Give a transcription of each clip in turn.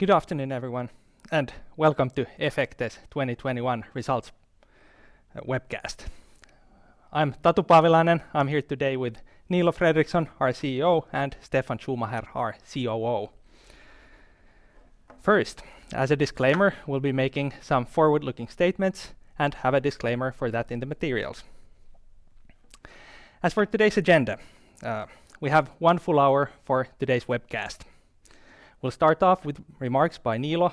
Good afternoon, everyone, and welcome to Efecte's 2021 results webcast. I'm Tatu Paavilainen. I'm here today with Niilo Fredrikson, our CEO, and Steffan Schumacher, our COO. First, as a disclaimer, we'll be making some forward-looking statements and have a disclaimer for that in the materials. As for today's agenda, we have one full hour for today's webcast. We'll start off with remarks by Niilo,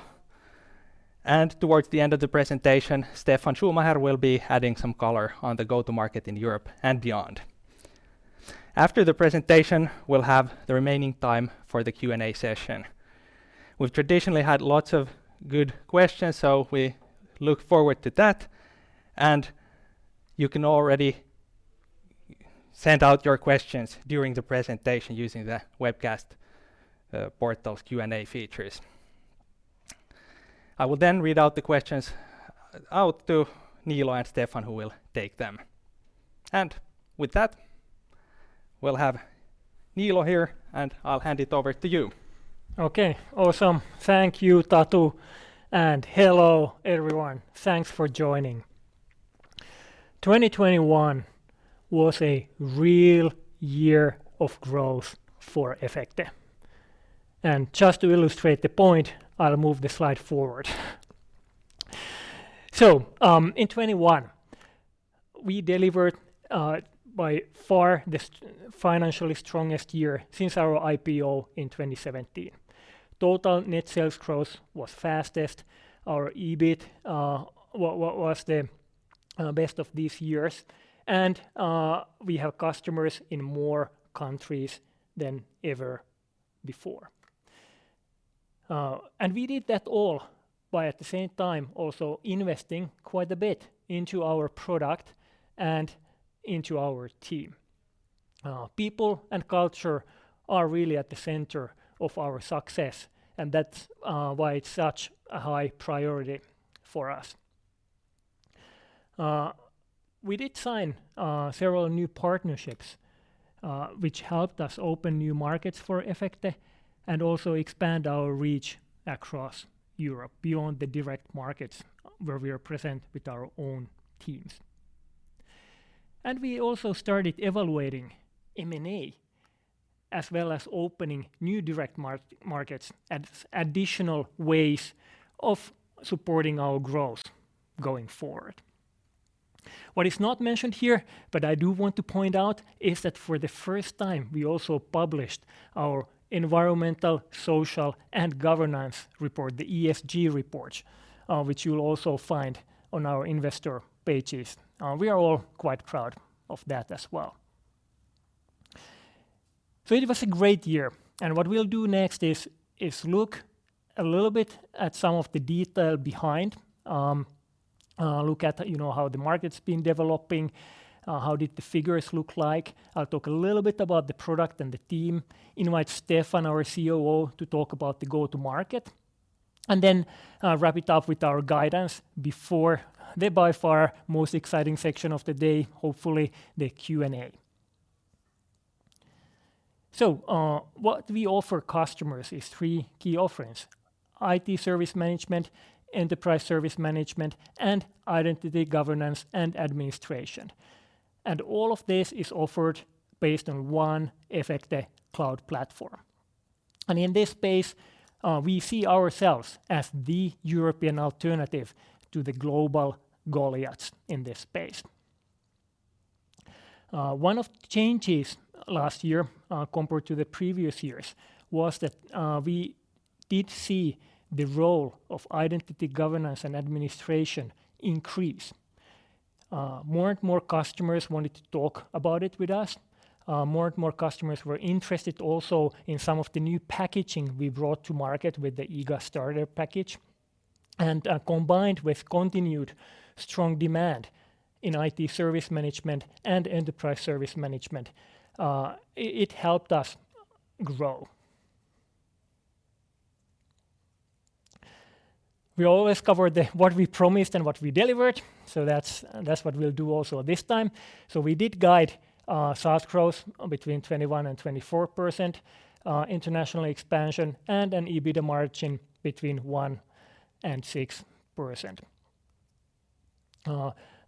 and towards the end of the presentation, Steffan Schumacher will be adding some color on the go-to-market in Europe and beyond. After the presentation, we'll have the remaining time for the Q and A session. We've traditionally had lots of good questions, so we look forward to that, and you can already send out your questions during the presentation using the webcast portal's Q and A features. I will then read the questions out to Niilo and Steffan, who will take them. With that, we'll have Niilo here, and I'll hand it over to you. Okay. Awesome. Thank you, Tatu, and hello, everyone. Thanks for joining. 2021 was a real year of growth for Efecte. Just to illustrate the point, I'll move the slide forward. In 2021 we delivered by far the financially strongest year since our IPO in 2017. Total net sales growth was fastest. Our EBIT was the best of these years, and we have customers in more countries than ever before. We did that all by at the same time also investing quite a bit into our product and into our team. People and culture are really at the center of our success, and that's why it's such a high priority for us. We did sign several new partnerships, which helped us open new markets for Efecte and also expand our reach across Europe beyond the direct markets where we are present with our own teams. We also started evaluating M&A as well as opening new direct markets as additional ways of supporting our growth going forward. What is not mentioned here, but I do want to point out, is that for the first time, we also published our environmental, social, and governance report, the ESG report, which you'll also find on our investor pages. We are all quite proud of that as well. It was a great year, and what we'll do next is look a little bit at some of the detail behind, you know, how the market's been developing, how did the figures look like. I'll talk a little bit about the product and the team, invite Steffan, our COO, to talk about the go-to-market, and then wrap it up with our guidance before the by far most exciting section of the day, hopefully, the Q and A. What we offer customers is three key offerings: IT service management, enterprise service management, and identity governance and administration, and all of this is offered based on one Efecte cloud platform. In this space, we see ourselves as the European alternative to the global goliaths in this space. One of the changes last year, compared to the previous years was that, we did see the role of identity governance and administration increase. More and more customers wanted to talk about it with us. More and more customers were interested also in some of the new packaging we brought to market with the IGA Starter package. Combined with continued strong demand in IT service management and enterprise service management, it helped us grow. We always cover what we promised and what we delivered, so that's what we'll do also this time. We did guide SaaS growth between 21% and 24%, international expansion, and an EBITDA margin between 1% and 6%.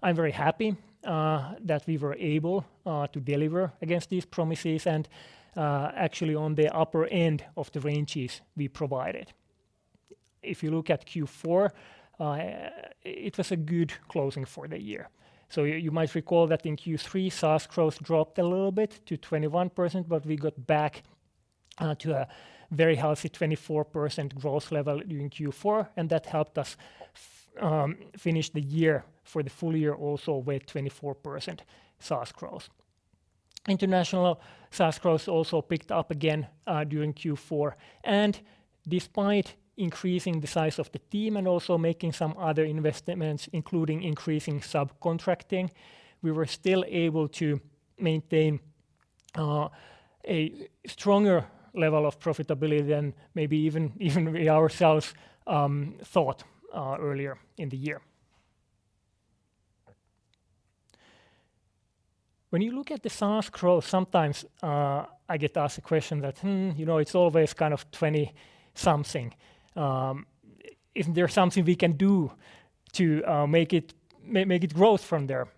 I'm very happy that we were able to deliver against these promises and actually on the upper end of the ranges we provided. If you look at Q4, it was a good closing for the year. You might recall that in Q3, SaaS growth dropped a little bit to 21%, but we got back to a very healthy 24% growth level during Q4, and that helped us finish the year for the full year also with 24% SaaS growth. International SaaS growth also picked up again during Q4, and despite increasing the size of the team and also making some other investments, including increasing subcontracting, we were still able to maintain a stronger level of profitability than maybe even we ourselves thought earlier in the year. When you look at the SaaS growth, sometimes I get asked the question that, "Hmm, you know, it's always kind of 20 something. Isn't there something we can do to make it grow from there?"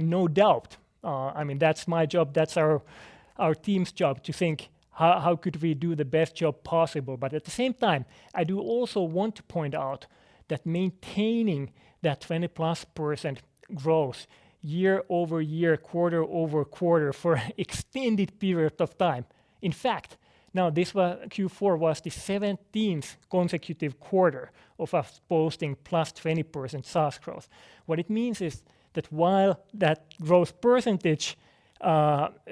No doubt, I mean, that's my job, that's our team's job to think how could we do the best job possible. At the same time, I do also want to point out that maintaining that 20%+ growth year-over-year, quarter-over-quarter for extended period of time. In fact, now this Q4 was the 17th consecutive quarter of us posting +20% SaaS growth. What it means is that while that growth percentage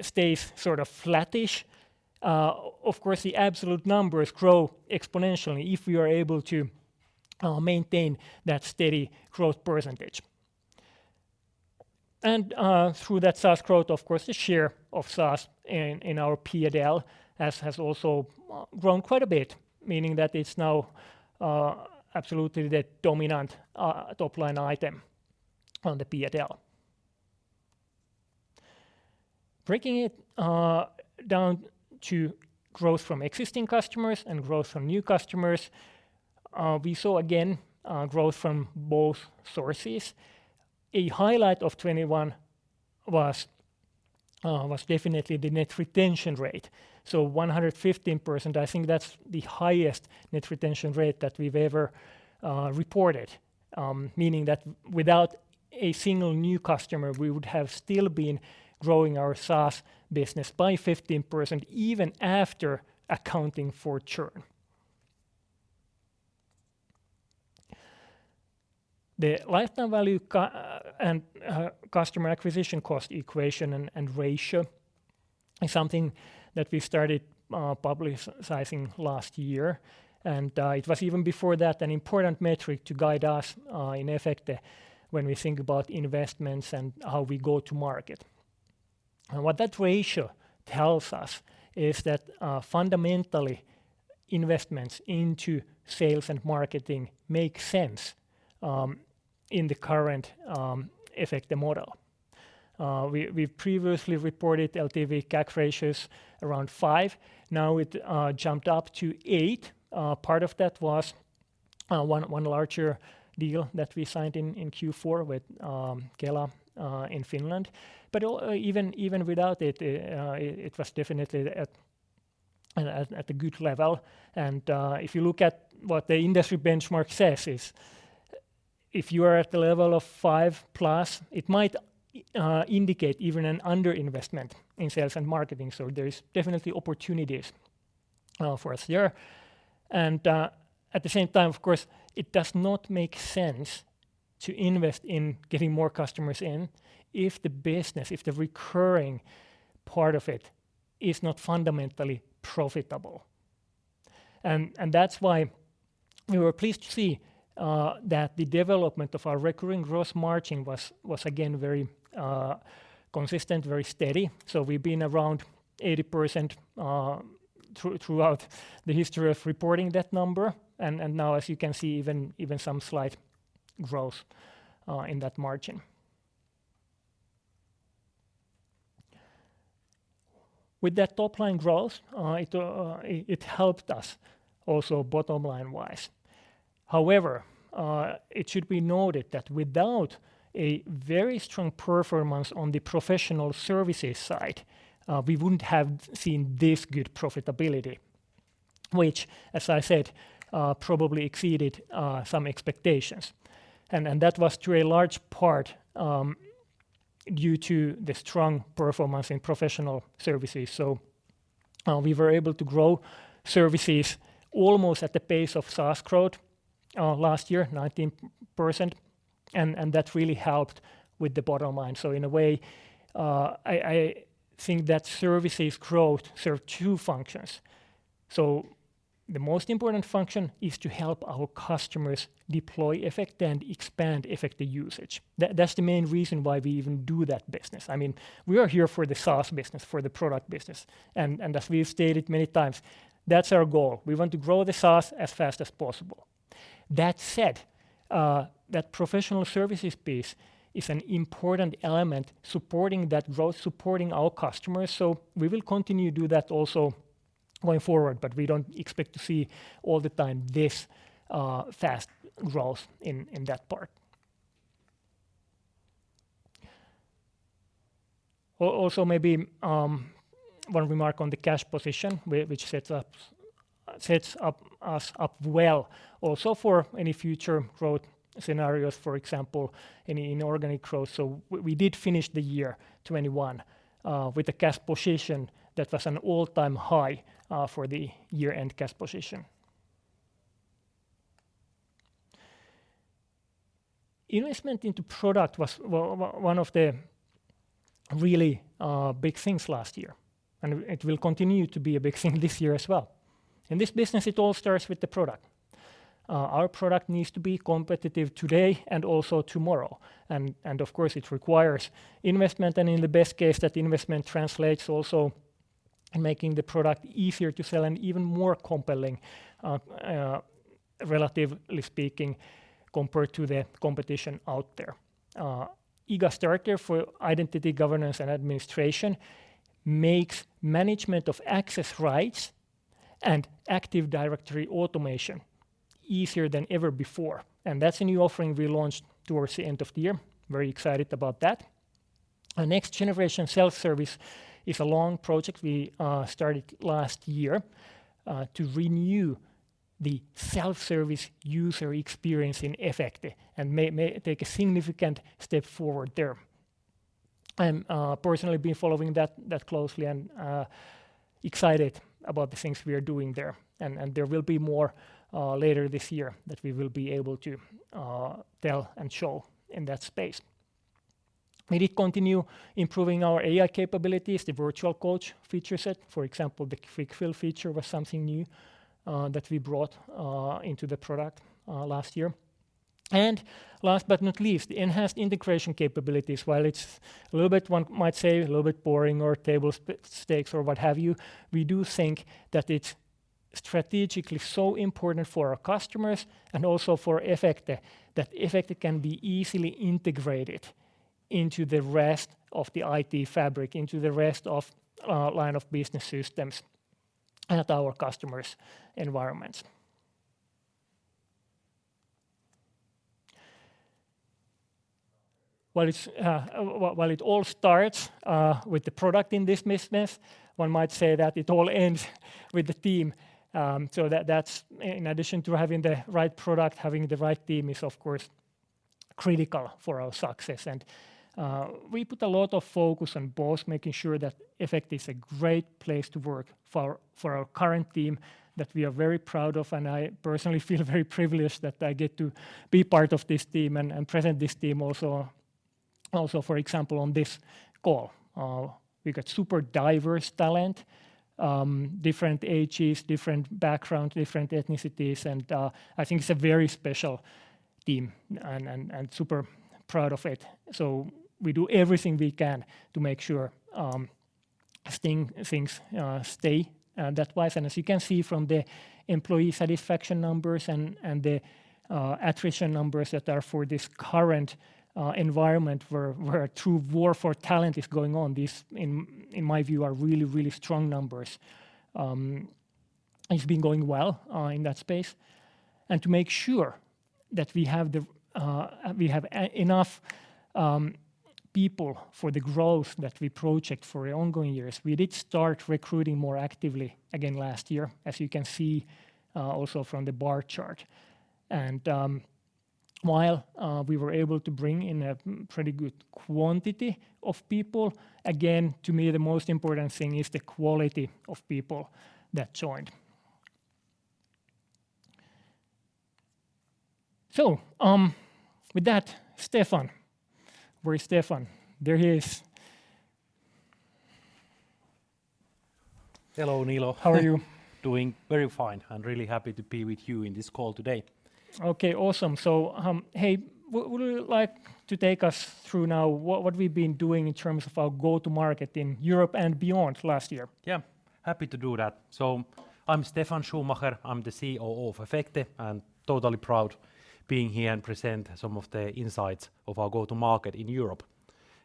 stays sort of flattish, of course the absolute numbers grow exponentially if we are able to maintain that steady growth percentage. Through that SaaS growth, of course, the share of SaaS in our P&L has also grown quite a bit, meaning that it's now absolutely the dominant top-line item on the P&L. Breaking it down to growth from existing customers and growth from new customers, we saw again growth from both sources. A highlight of 2021 was definitely the net retention rate. 115%, I think that's the highest net retention rate that we've ever reported, meaning that without a single new customer, we would have still been growing our SaaS business by 15% even after accounting for churn. The lifetime value and customer acquisition cost equation and ratio is something that we started publicizing last year. It was even before that an important metric to guide us in Efecte when we think about investments and how we go to market. What that ratio tells us is that fundamentally investments into sales and marketing make sense in the current Efecte model. We've previously reported LTV:CAC ratios around five. Now it jumped up to eight. Part of that was one larger deal that we signed in Q4 with Kela in Finland. But even without it it was definitely at a good level. If you look at what the industry benchmark says is if you are at the level of five+ it might indicate even an under-investment in sales and marketing. There is definitely opportunities for us here. At the same time, of course, it does not make sense to invest in getting more customers in if the business, if the recurring part of it is not fundamentally profitable. That's why we were pleased to see that the development of our recurring gross margin was again very consistent, very steady. We've been around 80%, throughout the history of reporting that number and now as you can see even some slight growth in that margin. With that top-line growth, it helped us also bottom-line wise. However, it should be noted that without a very strong performance on the professional services side, we wouldn't have seen this good profitability, which as I said, probably exceeded some expectations. That was to a large part due to the strong performance in professional services. We were able to grow services almost at the pace of SaaS growth last year, 19%, and that really helped with the bottom line. In a way, I think that services growth serve two functions. The most important function is to help our customers deploy Efecte and expand Efecte usage. That's the main reason why we even do that business. I mean, we are here for the SaaS business, for the product business and as we have stated many times, that's our goal. We want to grow the SaaS as fast as possible. That said, that professional services piece is an important element supporting that growth, supporting our customers, so we will continue to do that also going forward, but we don't expect to see all the time this fast growth in that part. Also maybe one remark on the cash position which sets us up well also for any future growth scenarios, for example, any inorganic growth. We did finish the year 2021 with a cash position that was an all-time high for the year-end cash position. Investment into product was one of the really big things last year, and it will continue to be a big thing this year as well. In this business, it all starts with the product. Our product needs to be competitive today and also tomorrow, and of course it requires investment, and in the best case, that investment translates also into making the product easier to sell and even more compelling, relatively speaking compared to the competition out there. IGA Director for Identity Governance and Administration makes management of access rights and Active Directory automation easier than ever before, and that's a new offering we launched towards the end of the year. Very excited about that. Our next generation self-service is a long project we started last year to renew the self-service user experience in Efecte and make a significant step forward there. I'm personally been following that closely and excited about the things we are doing there and there will be more later this year that we will be able to tell and show in that space. We did continue improving our AI capabilities, the Virtual Coach feature set, for example, the quick fill feature was something new that we brought into the product last year. Last but not least, the enhanced integration capabilities. While it's a little bit one might say a little bit boring or table stakes or what have you, we do think that it's strategically so important for our customers and also for Efecte that Efecte can be easily integrated into the rest of the IT fabric, into the rest of line of business systems at our customers' environments. While it all starts with the product in this business, one might say that it all ends with the team. That's in addition to having the right product, having the right team is of course critical for our success. We put a lot of focus on both making sure that Efecte is a great place to work for our current team that we are very proud of. I personally feel very privileged that I get to be part of this team and present this team also, for example, on this call. We've got super diverse talent, different ages, different background, different ethnicities, and I think it's a very special team and super proud of it. We do everything we can to make sure things stay that way. As you can see from the employee satisfaction numbers and the attrition numbers that are for this current environment where a true war for talent is going on, these in my view are really strong numbers. It's been going well in that space. To make sure that we have enough people for the growth that we project for the ongoing years, we did start recruiting more actively again last year, as you can see also from the bar chart. While we were able to bring in a pretty good quantity of people, again, to me the most important thing is the quality of people that joined. With that, Steffan. Where is Steffan? There he is. Hello, Niilo. How are you? Doing very fine. I'm really happy to be with you in this call today. Okay, awesome. Hey, would you like to take us through now what we've been doing in terms of our go-to-market in Europe and beyond last year? Yeah, happy to do that. I'm Steffan Schumacher. I'm the COO of Efecte, and totally proud being here and present some of the insights of our go-to-market in Europe.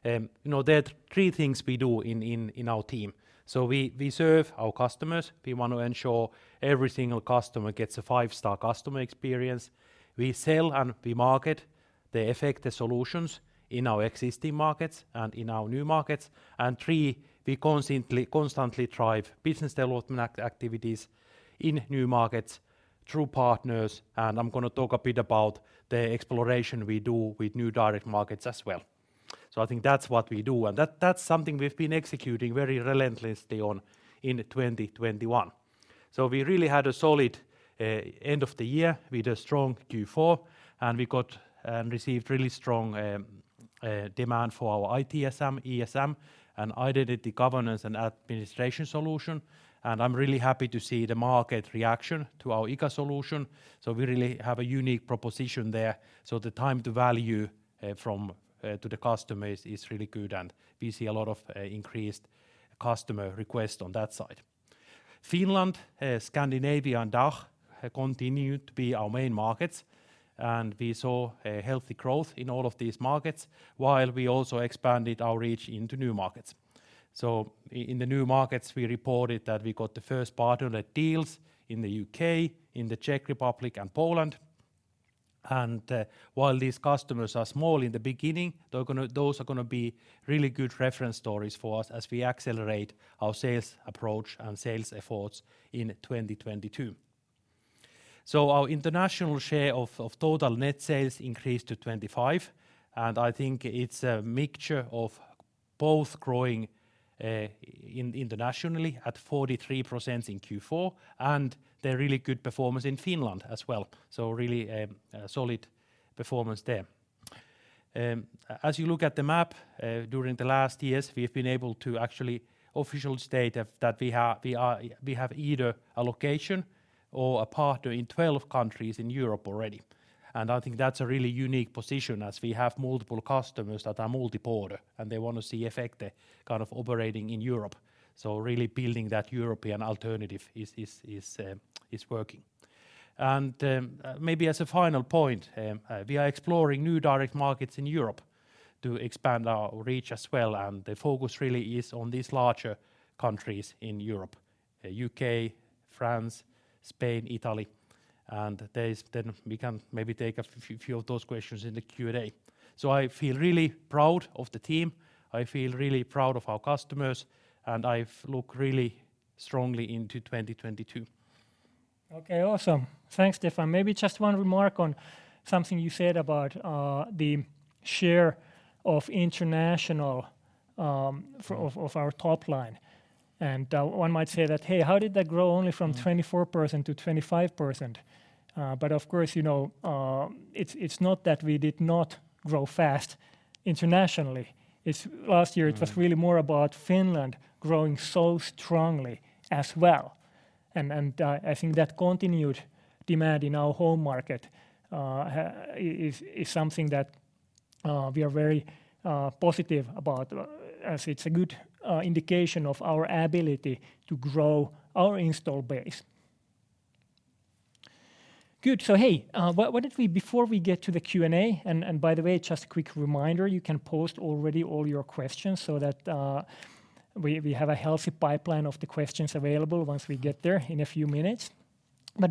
You know, there are three things we do in our team. We serve our customers. We want to ensure every single customer gets a five-star customer experience. We sell and we market the Efecte solutions in our existing markets and in our new markets. Three, we constantly drive business development activities in new markets through partners, and I'm gonna talk a bit about the exploration we do with new direct markets as well. I think that's what we do, and that's something we've been executing very relentlessly on in 2021. We really had a solid end of the year with a strong Q4, and we got and received really strong demand for our ITSM, ESM, and Identity Governance and Administration solution. I'm really happy to see the market reaction to our IGA solution. We really have a unique proposition there. The time to value from to the customers is really good, and we see a lot of increased customer request on that side. Finland, Scandinavia, and DACH have continued to be our main markets, and we saw a healthy growth in all of these markets while we also expanded our reach into new markets. In the new markets, we reported that we got the first part of the deals in the U.K., in the Czech Republic, and Poland. While these customers are small in the beginning, those are gonna be really good reference stories for us as we accelerate our sales approach and sales efforts in 2022. Our international share of total net sales increased to 25%, and I think it's a mixture of both growing internationally at 43% in Q4 and the really good performance in Finland as well. Really a solid performance there. As you look at the map, during the last years, we have been able to actually officially state that we have either a location or a partner in 12 countries in Europe already. I think that's a really unique position as we have multiple customers that are cross-border, and they wanna see Efecte kind of operating in Europe. Really building that European alternative is working. Maybe as a final point, we are exploring new direct markets in Europe to expand our reach as well, and the focus really is on these larger countries in Europe: U.K., France, Spain, Italy. We can maybe take a few of those questions in the Q and A. I feel really proud of the team, I feel really proud of our customers, and I look really strongly into 2022. Okay. Awesome. Thanks, Steffan. Maybe just one remark on something you said about the share of international of our top line. One might say that, "Hey, how did that grow only from 24% to 25%?" Of course, you know, it's not that we did not grow fast internationally. It's last year. Mm It was really more about Finland growing so strongly as well. I think that continued demand in our home market is something that we are very positive about, as it's a good indication of our ability to grow our installed base. Good. Hey, before we get to the Q and A. By the way, just a quick reminder, you can post already all your questions so that we have a healthy pipeline of the questions available once we get there in a few minutes.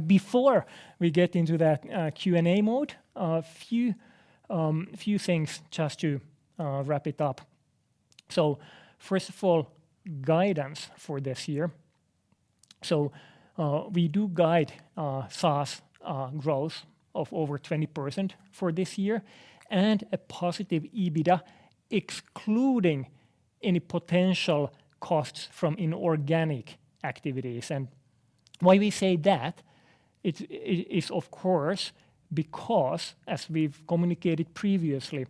Before we get into that Q and A mode, a few things just to wrap it up. First of all, guidance for this year. We do guide SaaS growth of over 20% for this year and a positive EBITDA excluding any potential costs from inorganic activities. Why we say that is of course because, as we've communicated previously,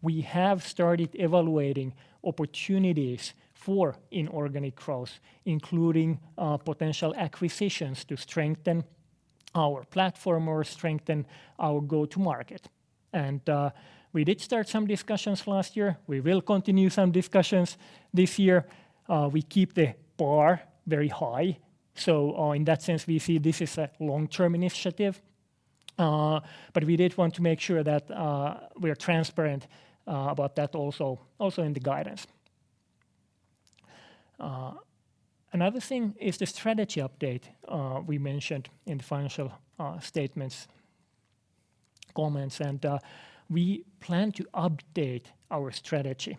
we have started evaluating opportunities for inorganic growth, including potential acquisitions to strengthen our platform or strengthen our go-to-market. We did start some discussions last year. We will continue some discussions this year. We keep the bar very high, in that sense, we see this is a long-term initiative. We did want to make sure that we are transparent about that also in the guidance. Another thing is the strategy update we mentioned in the financial statements comments. We plan to update our strategy,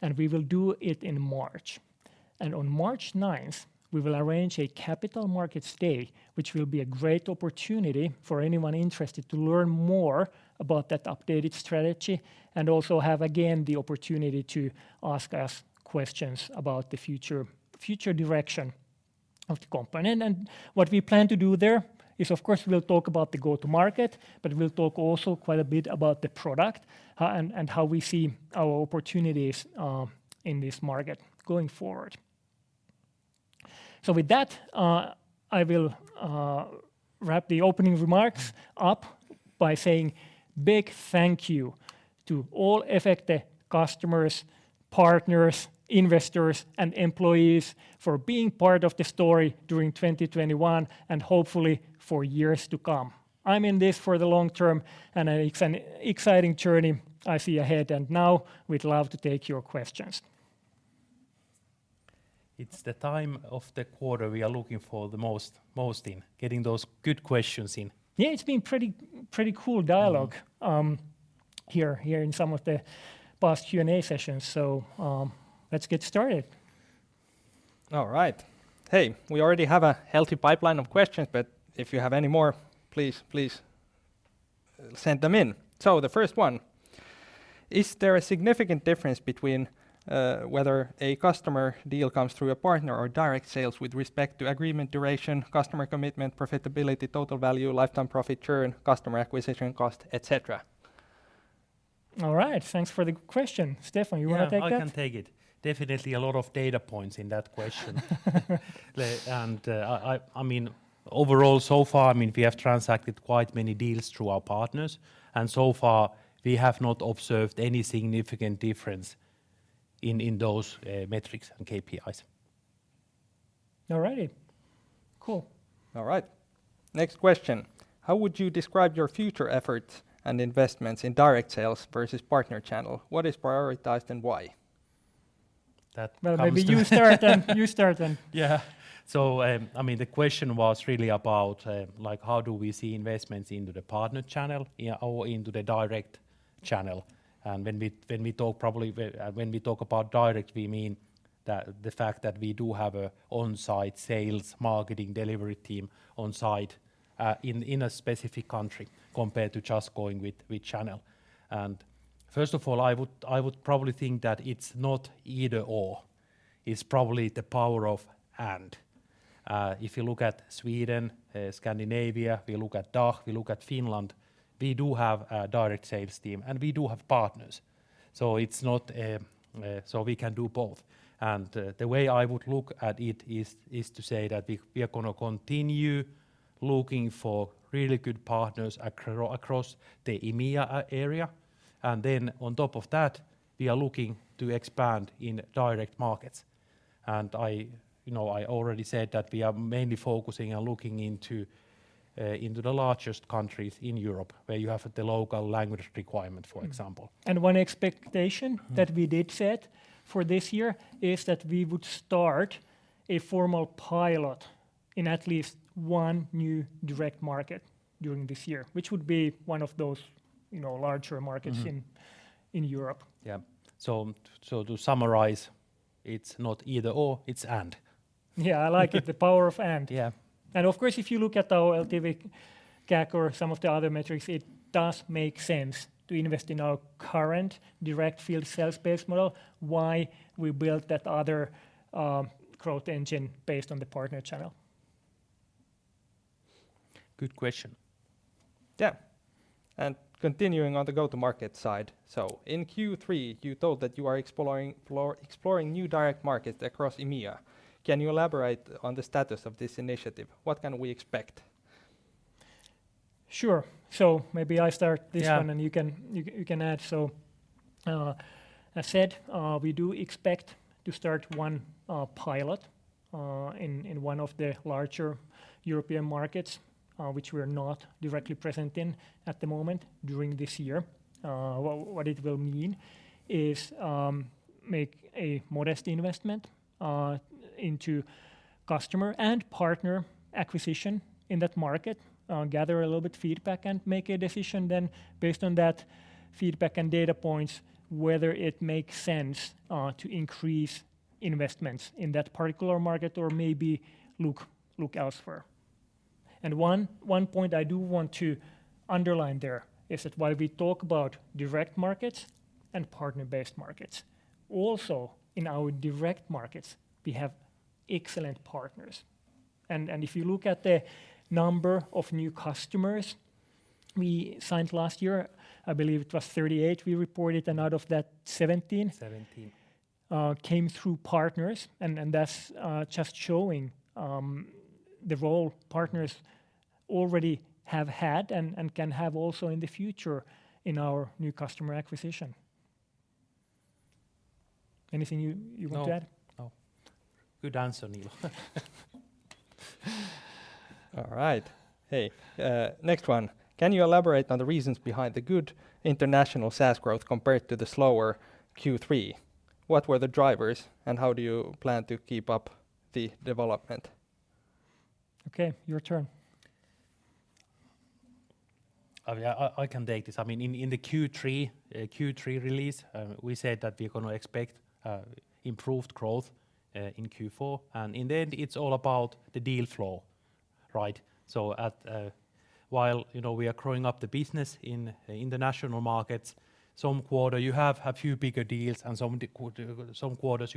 and we will do it in March. On March ninth, we will arrange a Capital Markets Day, which will be a great opportunity for anyone interested to learn more about that updated strategy and also have, again, the opportunity to ask us questions about the future direction of the company. What we plan to do there is, of course, we'll talk about the go-to-market, but we'll talk also quite a bit about the product, and how we see our opportunities in this market going forward. With that, I will wrap the opening remarks up by saying big thank you to all Efecte customers, partners, investors, and employees for being part of the story during 2021, and hopefully for years to come. I'm in this for the long term, and it's an exciting journey I see ahead. Now we'd love to take your questions. It's the time of the quarter we are looking forward to the most, getting those good questions in. Yeah. It's been pretty cool dialogue. Mm here in some of the past Q and A sessions. Let's get started. All right. Hey, we already have a healthy pipeline of questions, but if you have any more, please send them in. The first one: Is there a significant difference between whether a customer deal comes through a partner or direct sales with respect to agreement duration, customer commitment, profitability, total value, lifetime profit churn, customer acquisition cost, et cetera? All right. Thanks for the question. Steffan, you wanna take that? Yeah. I can take it. Definitely a lot of data points in that question. I mean, overall so far, I mean, we have transacted quite many deals through our partners, and so far we have not observed any significant difference in those metrics and KPIs. All right. Cool. All right. Next question: How would you describe your future efforts and investments in direct sales versus partner channel? What is prioritized and why? That comes to me. Well, maybe you start then. You start then. Yeah. I mean, the question was really about, like, how do we see investments into the partner channel, yeah, or into the direct channel. When we talk about direct, we mean the fact that we do have an on-site sales marketing delivery team on site in a specific country compared to just going with channel. First of all, I would probably think that it's not either/or. It's probably the power of and. If you look at Sweden, Scandinavia, we look at DACH, we look at Finland, we do have a direct sales team, and we do have partners. It's not, so we can do both. The way I would look at it is to say that we are gonna continue looking for really good partners across the EMEA area. On top of that, we are looking to expand in direct markets. I, you know, already said that we are mainly focusing and looking into the largest countries in Europe where you have the local language requirement, for example. One expectation- Mm that we did set for this year is that we would start a formal pilot in at least one new direct market during this year, which would be one of those, you know, larger markets. Mm-hmm in Europe. Yeah. To summarize, it's not either/or, it's and. Yeah. I like it, the power of and. Yeah. Of course, if you look at our LTV:CAC or some of the other metrics, it does make sense to invest in our current direct field sales-based model while we build that other growth engine based on the partner channel. Good question. Continuing on the go-to-market side. In Q3, you told that you are exploring new direct markets across EMEA. Can you elaborate on the status of this initiative? What can we expect? Sure. Maybe I start this one. Yeah you can add. As said, we do expect to start one pilot in one of the larger European markets, which we're not directly present in at the moment during this year. What it will mean is make a modest investment into customer and partner acquisition in that market, gather a little bit feedback, and make a decision then based on that feedback and data points, whether it makes sense to increase investments in that particular market or maybe look elsewhere. One point I do want to underline there is that while we talk about direct markets and partner-based markets, also in our direct markets, we have excellent partners. If you look at the number of new customers we signed last year, I believe it was 38 we reported, and out of that, 17- 17 came through partners. That's just showing the role partners already have had and can have also in the future in our new customer acquisition. Anything you want to add? No. Good answer, Niilo. All right. Hey, next one. Can you elaborate on the reasons behind the good international SaaS growth compared to the slower Q3? What were the drivers, and how do you plan to keep up the development? Okay, your turn. I can take this. I mean, in the Q3 release, we said that we're gonna expect improved growth in Q4. In the end, it's all about the deal flow, right? While you know, we are growing the business in the national markets, some quarters you have a few bigger deals, and some quarters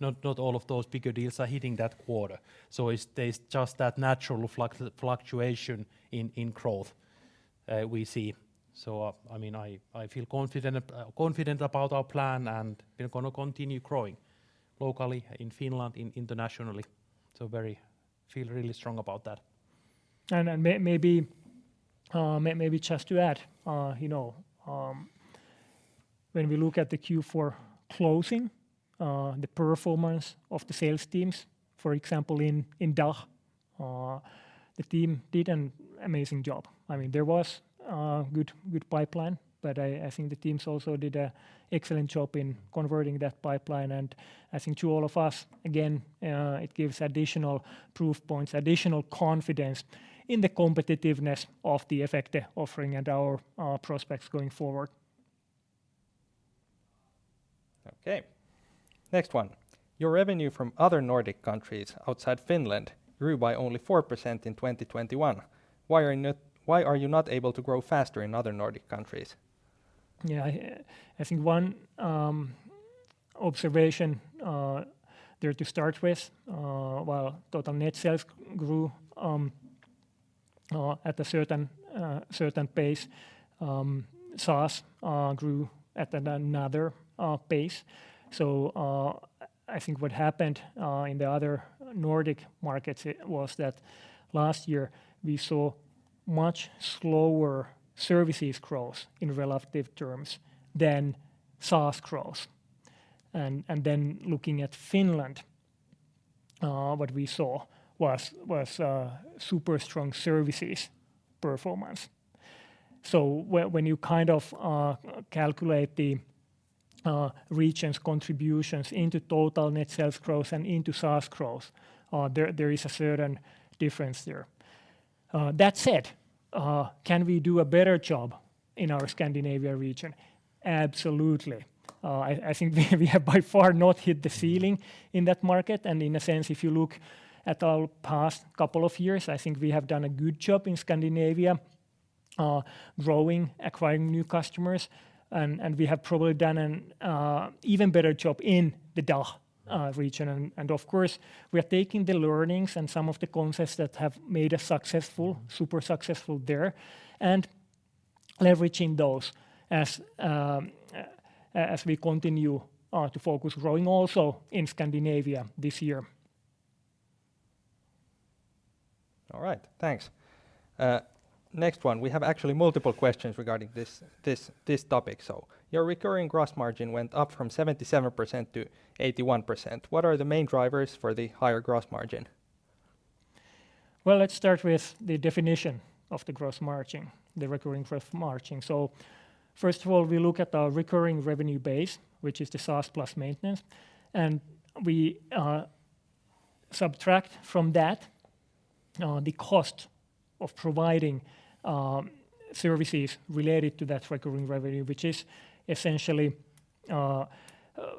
not all of those bigger deals are hitting that quarter. There's just that natural fluctuation in growth we see. I mean, I feel confident about our plan, and we're gonna continue growing locally in Finland, internationally. I feel really strong about that. Maybe just to add, you know, when we look at the Q4 closing, the performance of the sales teams, for example, in DACH, the team did an amazing job. I mean, there was good pipeline, but I think the teams also did an excellent job in converting that pipeline. I think to all of us, again, it gives additional proof points, additional confidence in the competitiveness of the Efecte offering and our prospects going forward. Okay. Next one. Your revenue from other Nordic countries outside Finland grew by only 4% in 2021. Why are you not able to grow faster in other Nordic countries? Yeah. I think one observation there to start with, while total net sales grew at a certain pace, SaaS grew at another pace. I think what happened in the other Nordic markets it was that last year we saw much slower services growth in relative terms than SaaS growth. Then looking at Finland, what we saw was super strong services performance. When you kind of calculate the regions' contributions into total net sales growth and into SaaS growth, there is a certain difference there. That said, can we do a better job in our Scandinavia region? Absolutely. I think we have by far not hit the ceiling in that market. In a sense, if you look at our past couple of years, I think we have done a good job in Scandinavia, growing, acquiring new customers. We have probably done an even better job in the DACH region. Of course, we are taking the learnings and some of the concepts that have made us successful, super successful there, and leveraging those as we continue to focus growing also in Scandinavia this year. We have actually multiple questions regarding this topic. Your recurring gross margin went up from 77% to 81%. What are the main drivers for the higher gross margin? Well, let's start with the definition of the gross margin, the recurring gross margin. First of all, we look at our recurring revenue base, which is the SaaS plus maintenance, and we subtract from that the cost of providing services related to that recurring revenue, which is essentially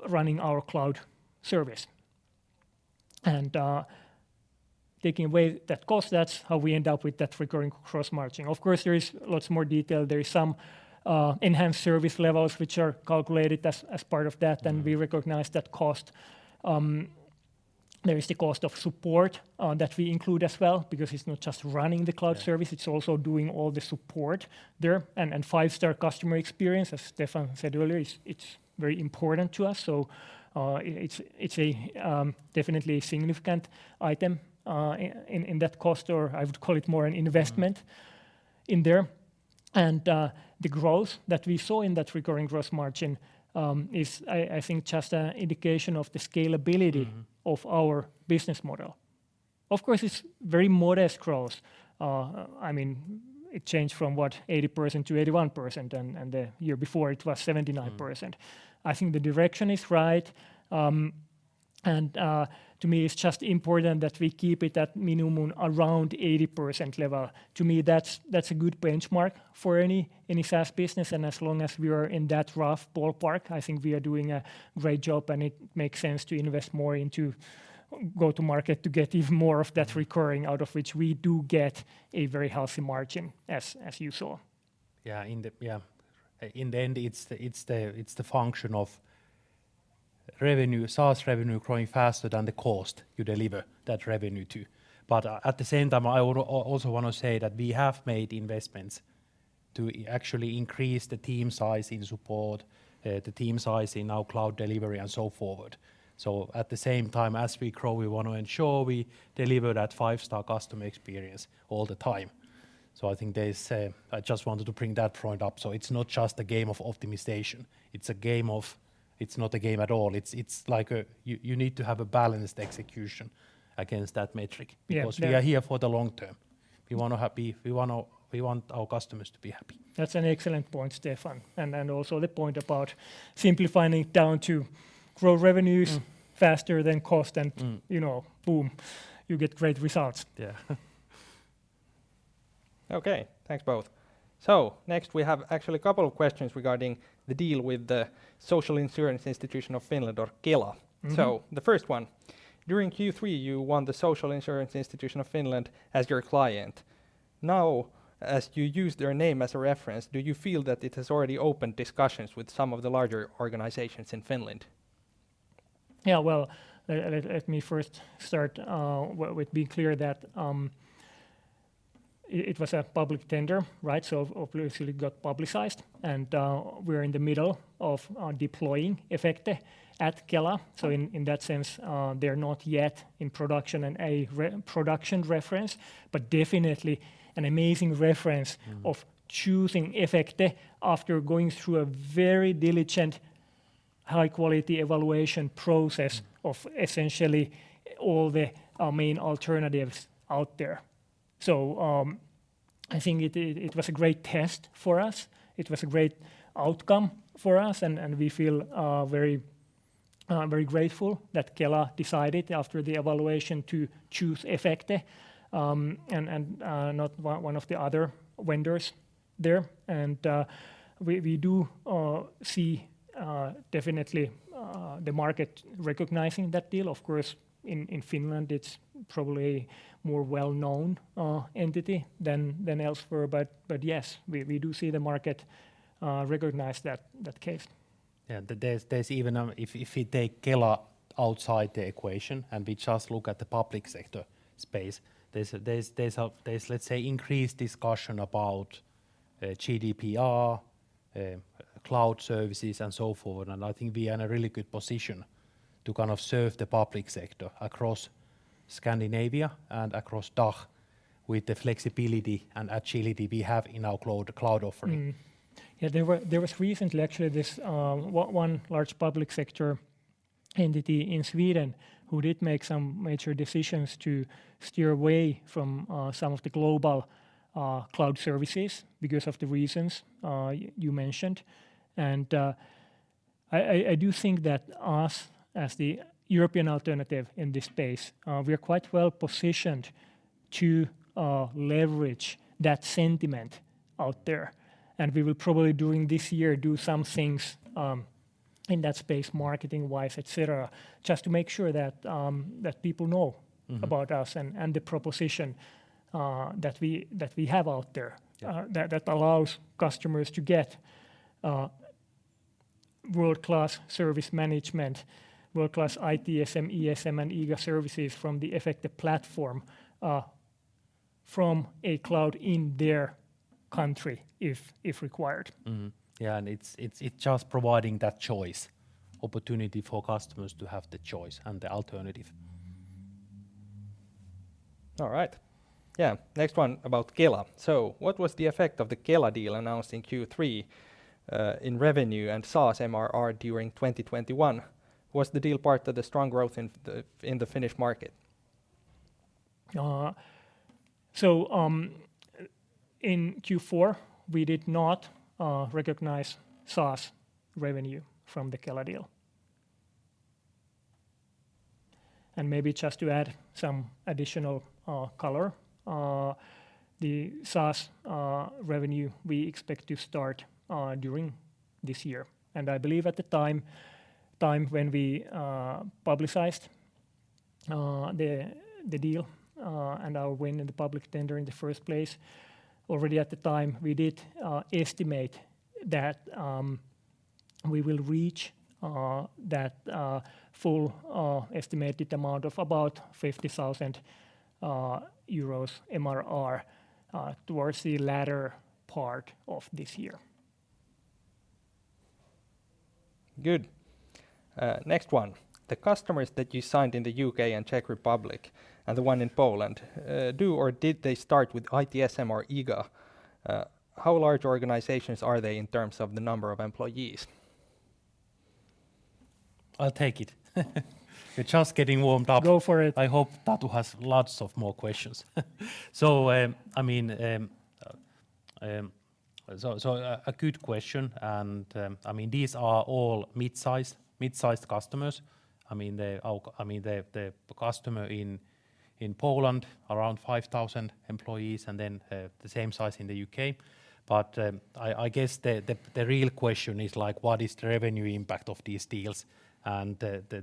running our cloud service. Taking away that cost, that's how we end up with that recurring gross margin. Of course, there is lots more detail. There is some enhanced service levels which are calculated as part of that- Mm-hmm We recognize that cost. There is the cost of support that we include as well, because it's not just running the cloud service. Yeah ...it's also doing all the support there. Five-star customer experience, as Steffan said earlier, is very important to us. It's definitely a significant item in that cost, or I would call it more an investment. Mm ...in there. The growth that we saw in that recurring gross margin is, I think, just an indication of the scalability. Mm-hmm Of our business model. Of course, it's very modest growth. I mean, it changed from what, 80% to 81% and the year before it was 79%. Mm. I think the direction is right. To me, it's just important that we keep it at minimum around 80% level. To me, that's a good benchmark for any SaaS business, and as long as we are in that rough ballpark, I think we are doing a great job, and it makes sense to invest more into go to market to get even more of that recurring out of which we do get a very healthy margin as you saw. In the end, it's the function of revenue, SaaS revenue growing faster than the cost you deliver that revenue to. At the same time, I would also wanna say that we have made investments to actually increase the team size in support, the team size in our cloud delivery and so forth. At the same time as we grow, we want to ensure we deliver that five-star customer experience all the time. I think I just wanted to bring that point up. It's not just a game of optimization, it's a game of. It's not a game at all. It's like a, you need to have a balanced execution against that metric. Yeah. Yeah Because we are here for the long term. We want our customers to be happy. That's an excellent point, Steffan. Also the point about simplifying it down to grow revenues. Mm faster than cost and Mm You know, boom, you get great results. Yeah. Okay. Thanks both. Next we have actually a couple of questions regarding the deal with the Social Insurance Institution of Finland or Kela. Mm-hmm. The first one. During Q3, you won the Social Insurance Institution of Finland as your client. Now, as you use their name as a reference, do you feel that it has already opened discussions with some of the larger organizations in Finland? Yeah. Well, let me first start with being clear that it was a public tender, right? Obviously got publicized and we're in the middle of deploying Efecte at Kela. In that sense, they're not yet in production and a pre-production reference, but definitely an amazing reference. Mm of choosing Efecte after going through a very diligent high quality evaluation process. Mm Of essentially all the main alternatives out there. I think it was a great test for us. It was a great outcome for us, and we feel very grateful that Kela decided after the evaluation to choose Efecte, and not one of the other vendors there. We do see definitely the market recognizing that deal. Of course, in Finland, it's probably more well-known entity than elsewhere. Yes, we do see the market recognize that case. Yeah. There's even, if we take Kela outside the equation and we just look at the public sector space, let's say, increased discussion about GDPR, cloud services and so forth. I think we are in a really good position to kind of serve the public sector across Scandinavia and across DACH with the flexibility and agility we have in our cloud offering. Yeah. There was recently actually this one large public sector entity in Sweden who did make some major decisions to steer away from some of the global cloud services because of the reasons you mentioned. I do think that us as the European alternative in this space we are quite well positioned to leverage that sentiment out there. We will probably during this year do some things in that space marketing-wise, et cetera, just to make sure that people know. Mm-hmm... about us and the proposition that we have out there- Yeah That allows customers to get world-class service management, world-class ITSM, ESM, and IGA services from the Efecte platform, from a cloud in their country if required. Yeah. It's just providing that choice, opportunity for customers to have the choice and the alternative. Mm-hmm. All right. Yeah. Next one about Kela. What was the effect of the Kela deal announced in Q3 in revenue and SaaS MRR during 2021? Was the deal part of the strong growth in the Finnish market? In Q4, we did not recognize SaaS revenue from the Kela deal. Maybe just to add some additional color, the SaaS revenue we expect to start during this year. I believe at the time when we publicized the deal and our win in the public tender in the first place, already at the time we did estimate that we will reach that full estimated amount of about 50,000 euros MRR towards the latter part of this year. Good. Next one. The customers that you signed in the U.K. and Czech Republic, and the one in Poland, do or did they start with ITSM or IGA? How large are the organizations in terms of the number of employees? I'll take it. We're just getting warmed up. Go for it. I hope Tatu has lots more questions. A good question. I mean, these are all mid-sized customers. I mean, the customer in Poland, around 5,000 employees, and then the same size in the U.K. I guess the real question is like what is the revenue impact of these deals?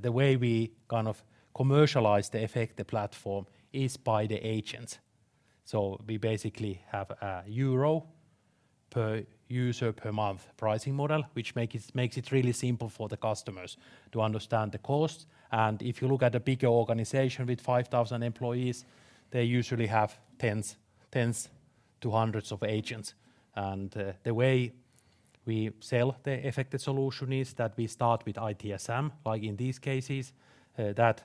The way we kind of commercialize the Efecte platform is by the agents. We basically have a euro per user per month pricing model, which makes it really simple for the customers to understand the cost. If you look at a bigger organization with 5,000 employees, they usually have tens to hundreds of agents. The way we sell the Efecte solution is that we start with ITSM, like in these cases. That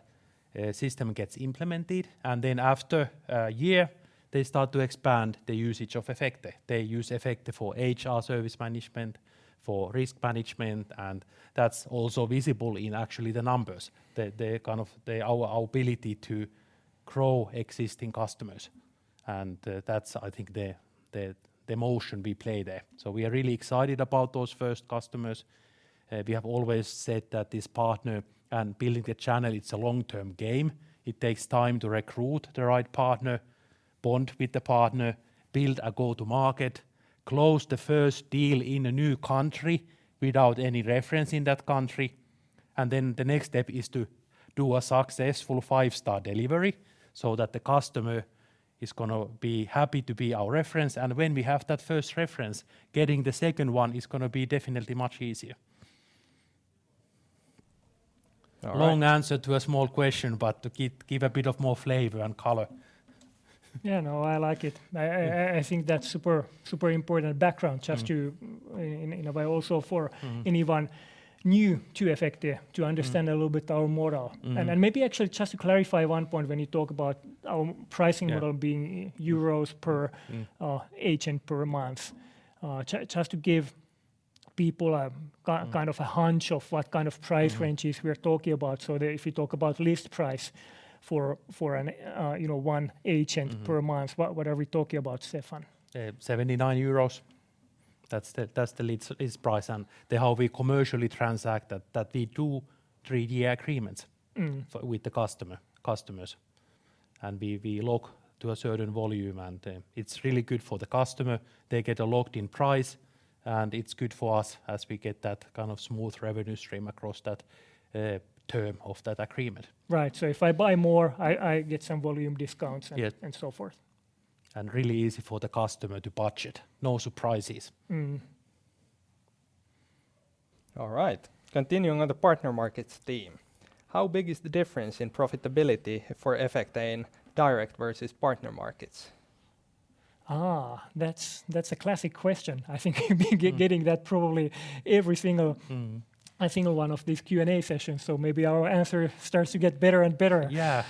system gets implemented, and then after a year, they start to expand the usage of Efecte. They use Efecte for HR Service Management, for risk management, and that's also visible in actually the numbers, our ability to grow existing customers. That's, I think, the motion we play there. We are really excited about those first customers. We have always said that this partner and building the channel, it's a long-term game. It takes time to recruit the right partner, bond with the partner, build a go-to-market, close the first deal in a new country without any reference in that country. The next step is to do a successful five-star delivery so that the customer is gonna be happy to be our reference. When we have that first reference, getting the second one is gonna be definitely much easier. All right. Long answer to a small question, but to give a bit more flavor and color. Yeah. No, I like it. I think that's super important background just to- Mm-hmm in a way also for- Mm-hmm anyone new to Efecte to understand. Mm-hmm A little bit our model. Mm-hmm. Maybe actually just to clarify one point when you talk about our pricing model. Yeah... being euros per Mm-hmm... agent per month. Just to give people a ki- Mm-hmm kind of a hunch of what kind of price ranges. Mm-hmm We're talking about. If you talk about list price for an you know one agent per month. Mm-hmm What are we talking about, Steffan? 79 euros. That's the list price. How we commercially transact that, we do three-year agreements- Mm-hmm... with the customers. We lock to a certain volume, and it's really good for the customer. They get a locked-in price, and it's good for us as we get that kind of smooth revenue stream across that term of that agreement. Right. If I buy more, I get some volume discounts and- Yeah and so forth. Really easy for the customer to budget. No surprises. Mm-hmm. All right. Continuing on the partner markets theme, how big is the difference in profitability for Efecte in direct versus partner markets? That's a classic question. I think we've been getting that probably every single- Mm-hmm a single one of these Q and A sessions. Maybe our answer starts to get better and better. Yeah.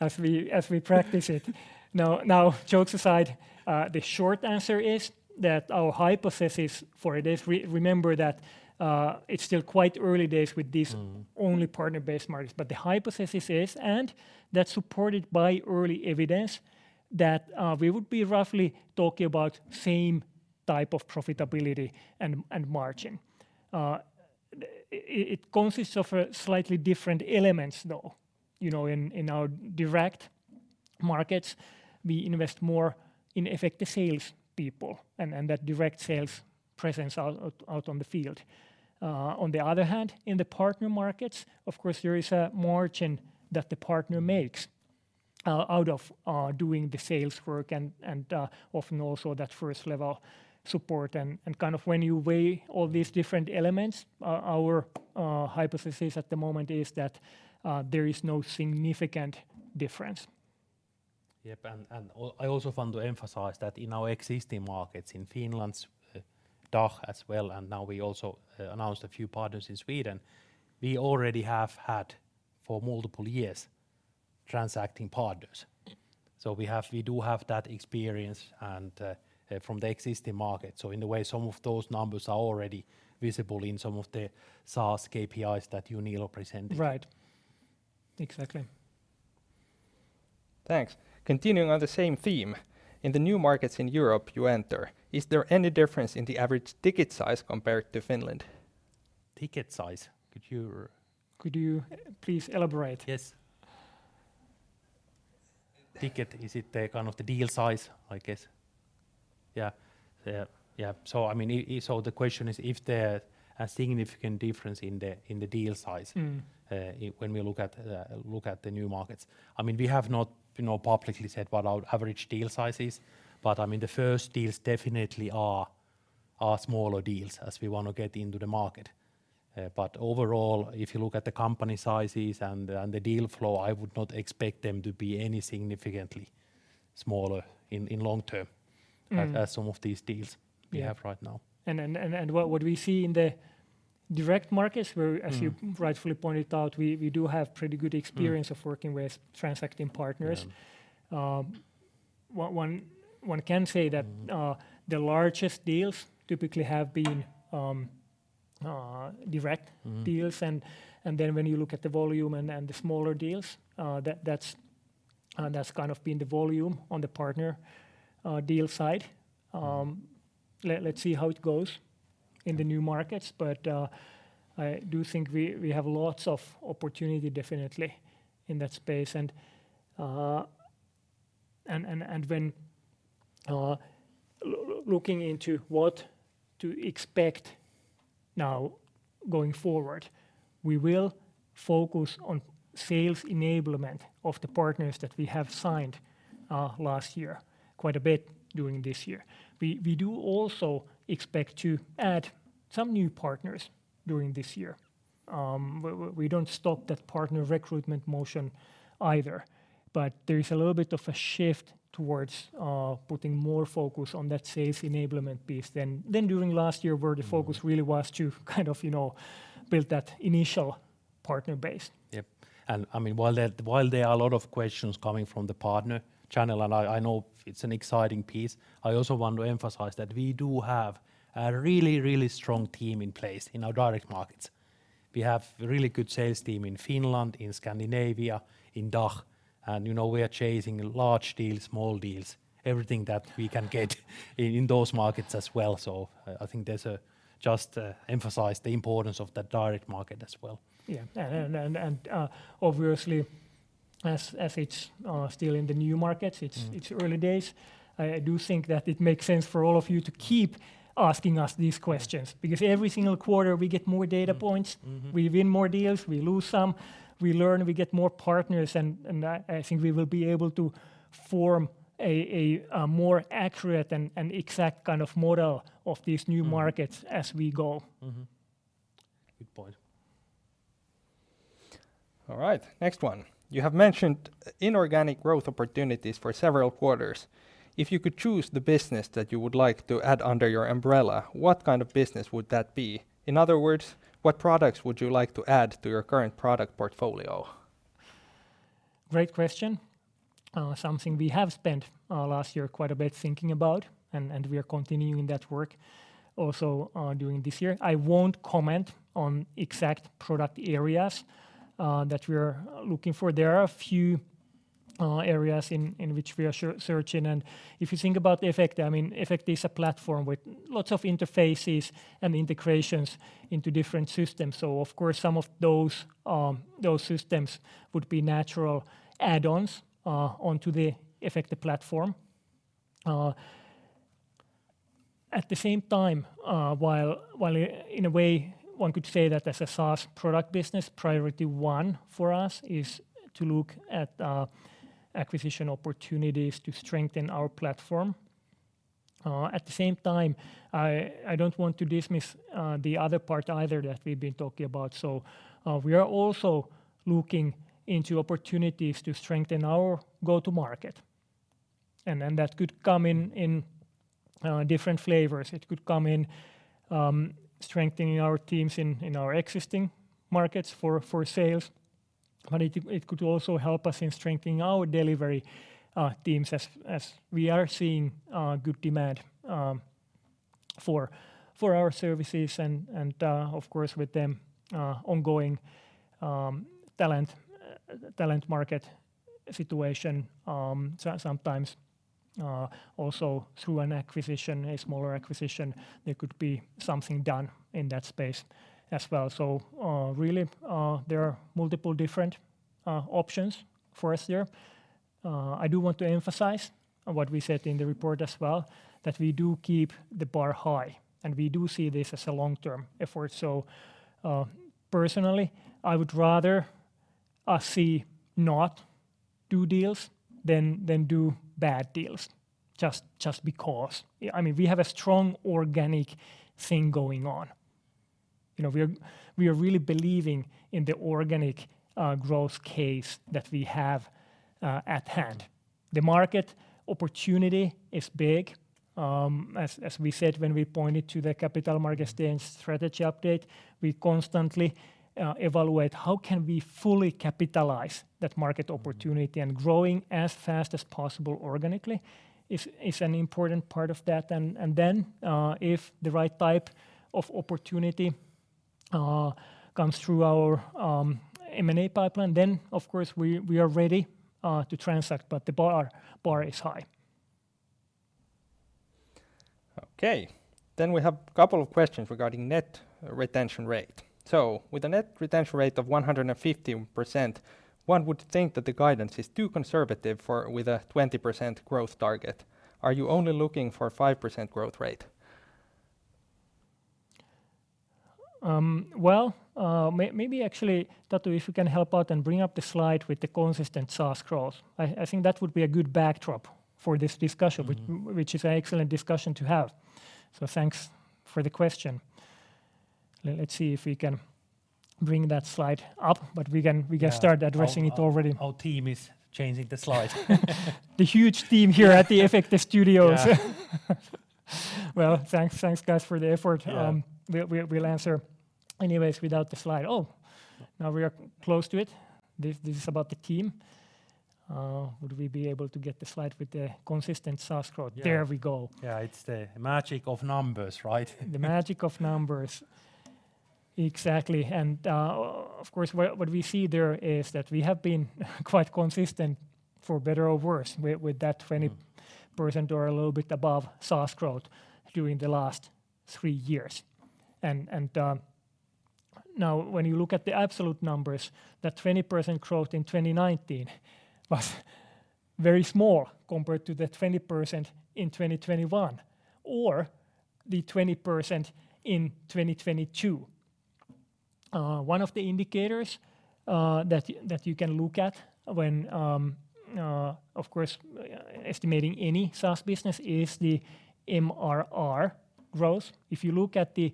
As we practice it. Now jokes aside, the short answer is that our hypothesis for this, remember that, it's still quite early days with these- Mm-hmm Only partner-based markets. The hypothesis is, and that's supported by early evidence, that we would be roughly talking about same type of profitability and margin. It consists of slightly different elements though, you know, in our direct markets, we invest more in effective sales people and that direct sales presence out on the field. On the other hand, in the partner markets, of course, there is a margin that the partner makes out of doing the sales work and often also that first level support. Kind of when you weigh all these different elements, our hypothesis at the moment is that there is no significant difference. Yep. I also want to emphasize that in our existing markets, in Finland, DACH as well, and now we also announced a few partners in Sweden, we already have had for multiple years transacting partners. We do have that experience and from the existing market. In a way, some of those numbers are already visible in some of the SaaS KPIs that Jouni presented. Right. Exactly. Thanks. Continuing on the same theme, in the new markets in Europe you enter, is there any difference in the average ticket size compared to Finland? Ticket size? Could you Could you please elaborate? Yes. ticket, is it the kind of the deal size, I guess? Yeah. I mean, the question is if there a significant difference in the deal size. Mm. When we look at the new markets. I mean, we have not, you know, publicly said what our average deal size is, but I mean, the first deals definitely are smaller deals as we want to get into the market. Overall, if you look at the company sizes and the deal flow, I would not expect them to be any significantly smaller in long term. Mm. as some of these deals we have right now. What we see in the direct markets where Mm. As you rightfully pointed out, we do have pretty good experience. Mm. of working with transacting partners. Yeah. One can say that the largest deals typically have been direct deals. Mm. Then when you look at the volume and the smaller deals, that's kind of been the volume on the partner deal side. Let's see how it goes in the new markets. I do think we have lots of opportunity definitely in that space. Looking into what to expect now going forward, we will focus on sales enablement of the partners that we have signed last year quite a bit during this year. We do also expect to add some new partners during this year. We don't stop that partner recruitment motion either. There is a little bit of a shift towards putting more focus on that sales enablement piece than during last year, where the focus really was to kind of, you know, build that initial partner base. Yep. I mean, while there are a lot of questions coming from the partner channel, and I know it's an exciting piece, I also want to emphasize that we do have a really strong team in place in our direct markets. We have a really good sales team in Finland, in Scandinavia, in DACH, and you know, we are chasing large deals, small deals, everything that we can get in those markets as well. I think just emphasize the importance of that direct market as well. Yeah. Obviously as it's still in the new markets- Mm. It's early days. I do think that it makes sense for all of you to keep asking us these questions, because every single quarter we get more data points. Mm-hmm. We win more deals, we lose some, we learn, we get more partners, and I think we will be able to form a more accurate and exact kind of model of these new markets. Mm-hmm. as we go. Good point. All right. Next one. You have mentioned inorganic growth opportunities for several quarters. If you could choose the business that you would like to add under your umbrella, what kind of business would that be? In other words, what products would you like to add to your current product portfolio? Great question. Something we have spent last year quite a bit thinking about, and we are continuing that work also during this year. I won't comment on exact product areas that we are looking for. There are a few areas in which we are searching. If you think about Efecte, I mean, Efecte is a platform with lots of interfaces and integrations into different systems. Of course, some of those systems would be natural add-ons onto the Efecte platform. At the same time, while in a way one could say that as a SaaS product business, priority one for us is to look at acquisition opportunities to strengthen our platform. At the same time, I don't want to dismiss the other part either that we've been talking about. We are also looking into opportunities to strengthen our go-to-market, and then that could come in different flavors. It could come in strengthening our teams in our existing markets for sales, but it could also help us in strengthening our delivery teams as we are seeing good demand for our services and, of course, with the ongoing talent market situation, also through an acquisition, a smaller acquisition, there could be something done in that space as well. Really, there are multiple different options for us there. I do want to emphasize what we said in the report as well, that we do keep the bar high, and we do see this as a long-term effort. Personally, I would rather us see not do deals than do bad deals just because. I mean, we have a strong organic thing going on. You know, we are really believing in the organic growth case that we have at hand. The market opportunity is big. As we said when we pointed to the capital markets and strategy update, we constantly evaluate how can we fully capitalize that market opportunity and growing as fast as possible organically is an important part of that. Then, if the right type of opportunity comes through our M&A pipeline, then of course we are ready to transact, but the bar is high. Okay. We have a couple of questions regarding net retention rate. With a net retention rate of 150%, one would think that the guidance is too conservative for a 20% growth target. Are you only looking for 5% growth rate? Maybe actually, Tatu, if you can help out and bring up the slide with the consistent SaaS growth. I think that would be a good backdrop for this discussion. Mm-hmm Which is an excellent discussion to have. Thanks for the question. Let's see if we can bring that slide up, but we can start addressing it already. Our team is changing the slide. The huge team here at the Efecte Studios. Yeah. Well, thanks guys for the effort. Yeah. We'll answer anyways without the slide. Oh, now we are close to it. This is about the team. Would we be able to get the slide with the consistent SaaS growth? Yeah. There we go. Yeah. It's the magic of numbers, right? The magic of numbers. Exactly. Of course, what we see there is that we have been quite consistent, for better or worse, with that 20% or a little bit above SaaS growth during the last three years. Now, when you look at the absolute numbers, that 20% growth in 2019 was very small compared to the 20% in 2021 or the 20% in 2022. One of the indicators that you can look at when, of course, estimating any SaaS business is the MRR growth. If you look at the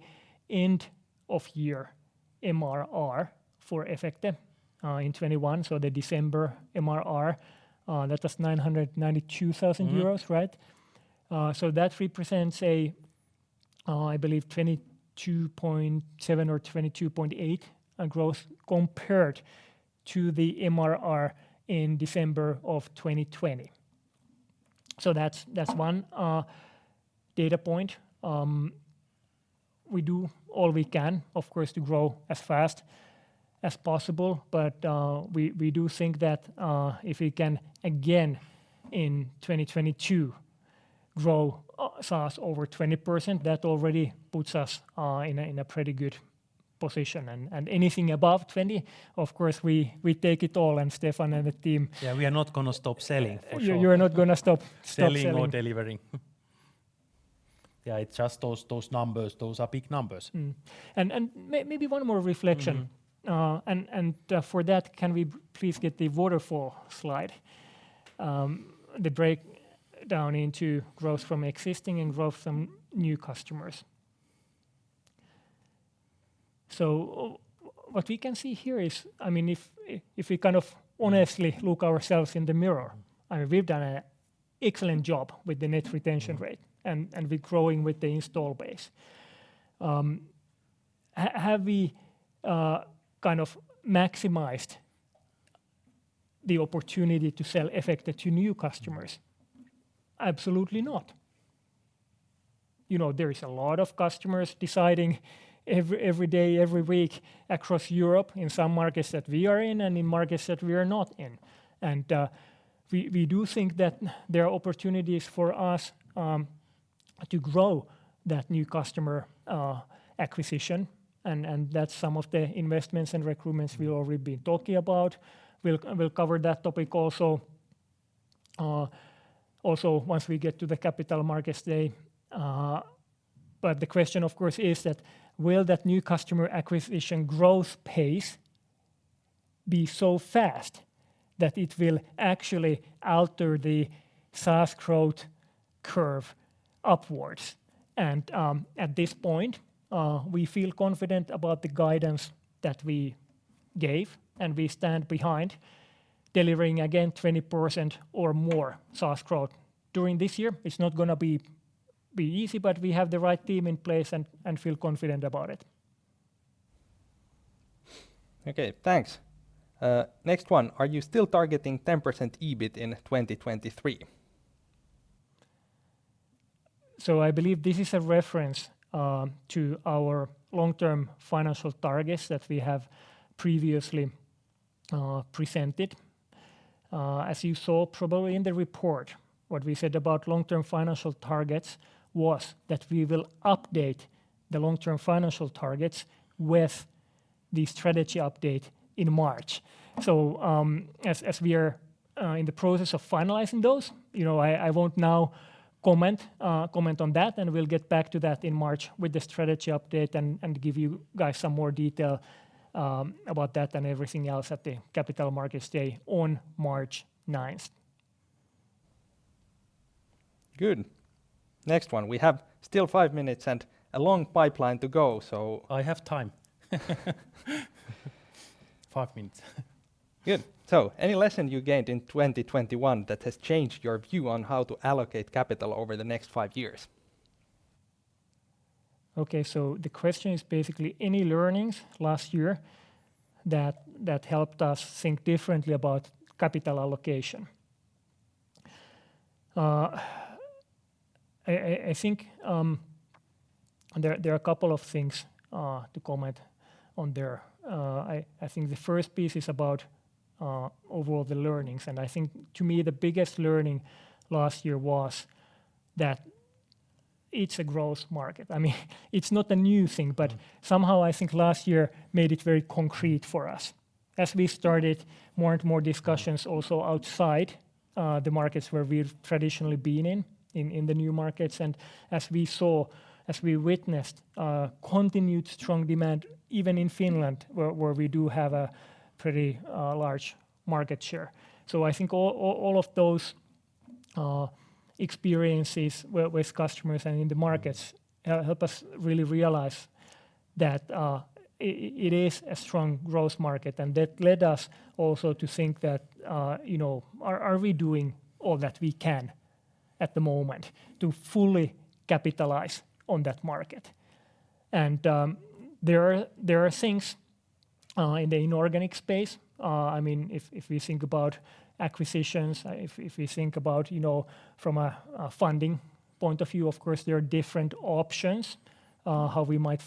end of year MRR for Efecte in 2021, so the December MRR, that was 992,000 euros, right? Mm-hmm. That represents a, I believe 22.7% or 22.8% growth compared to the MRR in December of 2020. That's one data point. We do all we can, of course, to grow as fast as possible. We do think that, if we can again in 2022 grow SaaS over 20%, that already puts us in a pretty good position. Anything above 20, of course, we take it all, and Steffan and the team- Yeah, we are not gonna stop selling. For sure. You're not gonna stop selling. Selling or delivering. Yeah, it's just those numbers, those are big numbers. Maybe one more reflection. Mm-hmm. For that, can we please get the waterfall slide? The breakdown into growth from existing and growth from new customers. What we can see here is, I mean, if we kind of honestly look ourselves in the mirror, I mean, we've done an excellent job with the net retention rate. Mm-hmm We're growing with the install base. Have we kind of maximized the opportunity to sell Efecte to new customers? Mm-hmm. Absolutely not. You know, there is a lot of customers deciding every day, every week across Europe in some markets that we are in and in markets that we are not in. We do think that there are opportunities for us to grow that new customer acquisition and that's some of the investments and recruitments we've already been talking about. We'll cover that topic also once we get to the Capital Markets Day. But the question, of course, is that will that new customer acquisition growth pace be so fast that it will actually alter the SaaS growth curve upwards? At this point, we feel confident about the guidance that we gave, and we stand behind delivering again 20% or more SaaS growth during this year. It's not gonna be easy, but we have the right team in place and feel confident about it. Okay. Thanks. Next one. Are you still targeting 10% EBIT in 2023? I believe this is a reference to our long-term financial targets that we have previously presented. As you saw probably in the report, what we said about long-term financial targets was that we will update the long-term financial targets with the strategy update in March. As we are in the process of finalizing those, you know, I won't now comment on that, and we'll get back to that in March with the strategy update and give you guys some more detail about that and everything else at the Capital Markets Day on March 9th. Good. Next one. We have still five minutes and a long pipeline to go. I have time. Five minutes. Good. Any lesson you gained in 2021 that has changed your view on how to allocate capital over the next five years? Okay. The question is basically any learnings last year that helped us think differently about capital allocation. I think there are a couple of things to comment on there. I think the first piece is about overall the learnings. I think to me the biggest learning last year was that it's a growth market. I mean, it's not a new thing, but somehow I think last year made it very concrete for us as we started more and more discussions also outside the markets where we've traditionally been in the new markets, and as we saw, as we witnessed continued strong demand even in Finland where we do have a pretty large market share. I think all of those experiences with customers and in the markets help us really realize that it is a strong growth market. That led us also to think that, are we doing all that we can at the moment to fully capitalize on that market? There are things in the inorganic space. I mean, if we think about acquisitions, if we think about from a funding point of view, of course there are different options how we might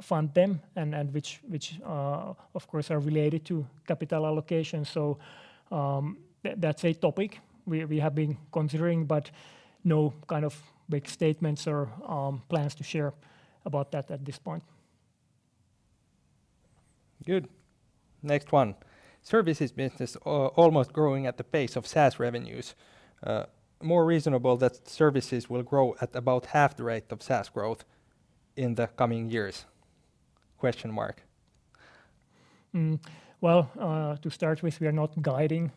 fund them and which of course are related to capital allocation. That's a topic we have been considering, but no kind of big statements or plans to share about that at this point. Good. Next one. Services business, almost growing at the pace of SaaS revenues. More reasonable that services will grow at about half the rate of SaaS growth in the coming years? Well, to start with we are not guiding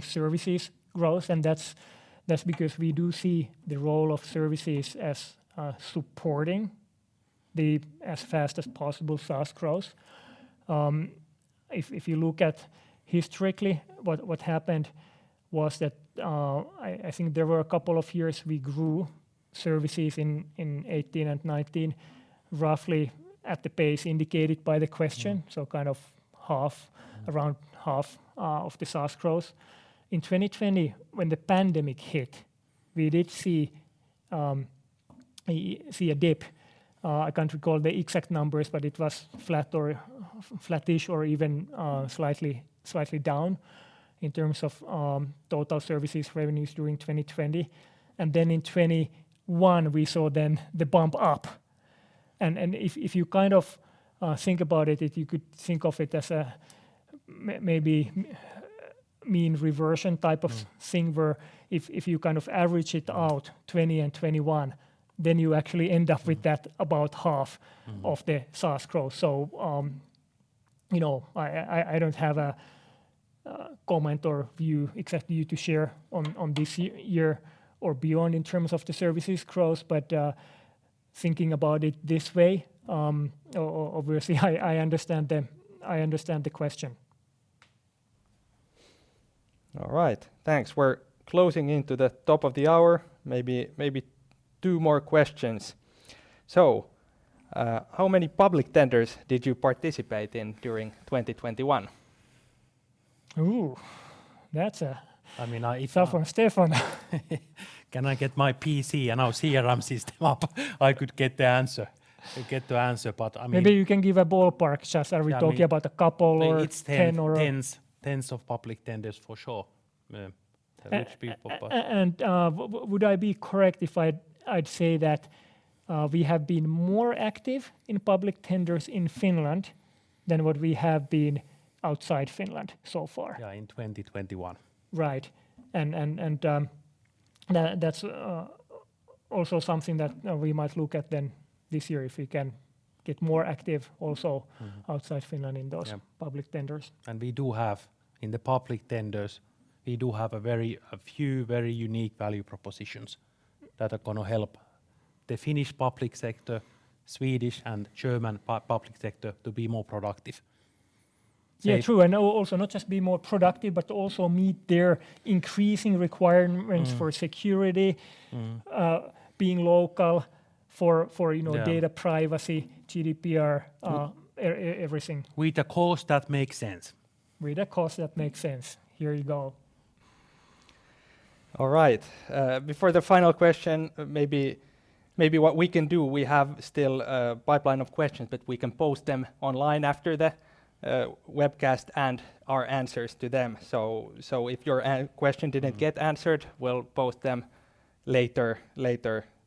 services growth, and that's because we do see the role of services as supporting the as fast as possible SaaS growth. If you look at historically what happened was that, I think there were a couple of years we grew services in 2018 and 2019 roughly at the pace indicated by the question, so kind of half- Mm. around half of the SaaS growth. In 2020 when the pandemic hit, we did see a dip. I can't recall the exact numbers, but it was flat or flattish or even slightly down in terms of total services revenues during 2020. In 2021 we saw the bump up. If you kind of think about it, you could think of it as maybe mean reversion type of. Mm thing where if you kind of average it out Mm 2020 and 2021, then you actually end up with that about half Mm... of the SaaS growth. You know, I don't have a comment or view exactly to share on this year or beyond in terms of the services growth, but thinking about it this way, obviously I understand the question. All right. Thanks. We're closing into the top of the hour. Maybe two more questions. How many public tenders did you participate in during 2021? Ooh, that's a- I mean, if Tough one, Steffan. Can I get my PC and our CRM system up? I could get the answer, but I mean. Maybe you can give a ballpark. Just, are we talking about a couple or- It's 10.... 10 or- Tens of public tenders for sure. How many people, but Would I be correct if I'd say that we have been more active in public tenders in Finland than what we have been outside Finland so far? Yeah, in 2021. Right. That's also something that we might look at then this year if we can get more active also. Mm-hmm outside Finland in those Yeah public tenders. We do have, in the public tenders we do have a few very unique value propositions that are gonna help the Finnish public sector, Swedish and German public sector to be more productive. Yeah, true. Also not just be more productive, but also meet their increasing requirements. Mm for security Mm being local for, you know. Yeah Data privacy, GDPR, everything. With a cost that makes sense. Rita, of course that makes sense. Here you go. All right. Before the final question, maybe what we can do, we have still a pipeline of questions, but we can post them online after the webcast and our answers to them. If your question didn't get answered, we'll post them later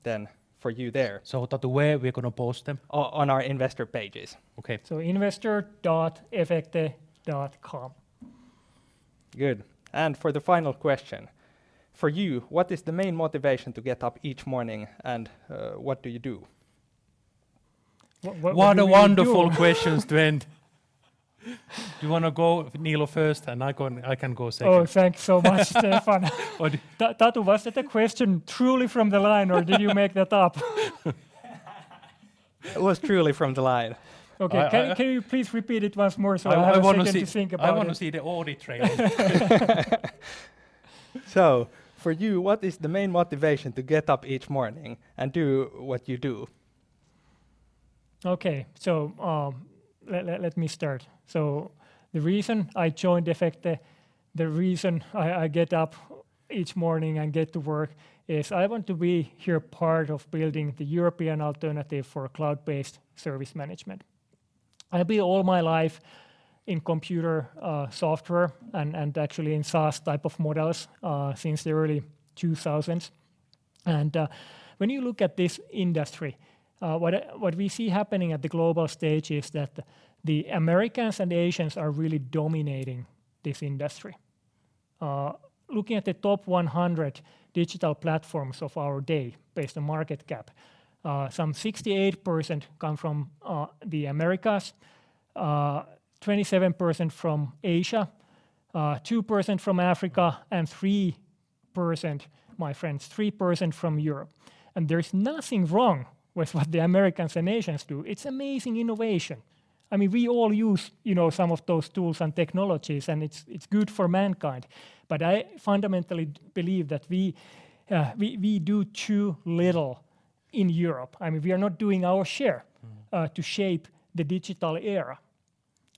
then for you there. Tatu, where we're gonna post them? On our investor pages. Okay. investors.efecte.com. Good. For the final question, for you, what is the main motivation to get up each morning, and what do you do? What do you do? What a wonderful question to end. Do you wanna go, Niilo, first, and I can go second? Oh, thanks so much, Steffan. Or d- Tatu, was that a question truly from the line, or did you make that up? It was truly from the line. Okay. I- Can you please repeat it once more so I have a second to think about it? I wanna see the audit trail. For you, what is the main motivation to get up each morning and do what you do? Okay. Let me start. The reason I joined Efecte, the reason I get up each morning and get to work is I want to be here part of building the European alternative for cloud-based service management. I've been all my life in computer software and actually in SaaS type of models since the early 2000s. When you look at this industry, what we see happening at the global stage is that the Americans and Asians are really dominating this industry. Looking at the top 100 digital platforms of our day based on market cap, some 68% come from the Americas, 27% from Asia, 2% from Africa, and 3%, my friends, 3% from Europe. There's nothing wrong with what the Americans and Asians do. It's amazing innovation. I mean, we all use, you know, some of those tools and technologies, and it's good for mankind. I fundamentally believe that we do too little in Europe. I mean, we are not doing our share. Mm to shape the digital era.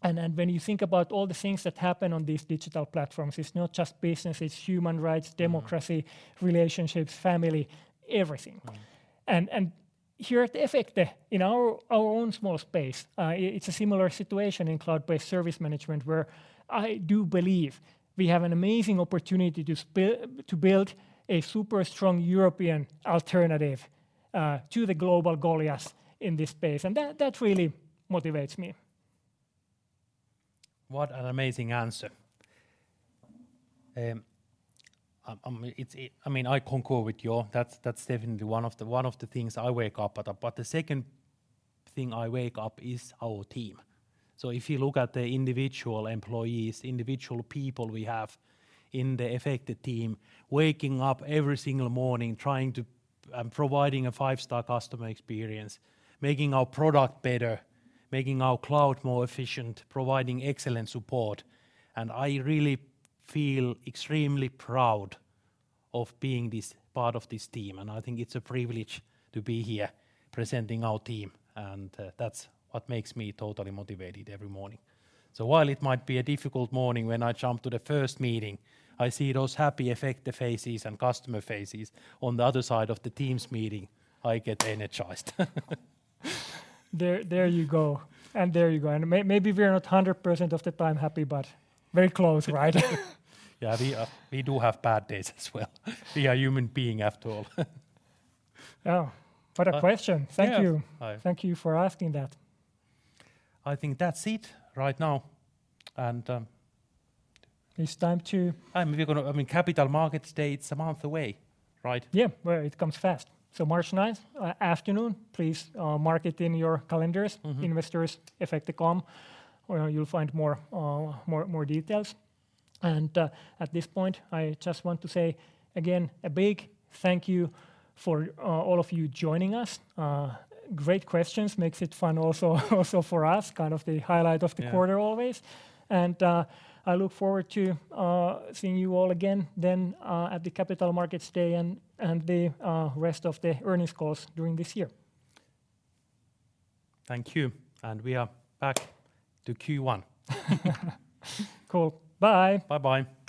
When you think about all the things that happen on these digital platforms, it's not just business, it's human rights. Mm democracy, relationships, family, everything. Mm. here at Efecte, in our own small space, it's a similar situation in cloud-based service management, where I do believe we have an amazing opportunity to build a super strong European alternative to the global goliaths in this space, and that really motivates me. What an amazing answer. It's I mean, I concur with you. That's definitely one of the things I wake up. The second thing I wake up is our team. If you look at the individual employees, individual people we have in the Efecte team, waking up every single morning trying to providing a five-star customer experience, making our product better, making our cloud more efficient, providing excellent support, and I really feel extremely proud of being this part of this team. I think it's a privilege to be here presenting our team, and that's what makes me totally motivated every morning. While it might be a difficult morning when I jump to the first meeting, I see those happy Efecte faces and customer faces on the other side of the Teams meeting, I get energized. There, there you go. There you go. Maybe we're not 100% of the time happy, but very close, right? Yeah. We do have bad days as well. We are human being after all. Oh, what a question. Yeah. Thank you. I- Thank you for asking that. I think that's it right now. It's time to- I mean, Capital Markets Day, it's a month away, right? Yeah. Well, it comes fast. March 9th afternoon, please mark it in your calendars. Mm-hmm. investors.efecte.com, where you'll find more details. At this point, I just want to say, again, a big thank you for all of you joining us. Great questions. Makes it fun also for us, kind of the highlight of the quarter always. Yeah. I look forward to seeing you all again then at the Capital Markets Day and the rest of the earnings calls during this year. Thank you. We are back to Q1. Cool. Bye. Bye-bye.